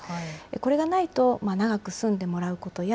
これがないと、長く住んでもらうことや、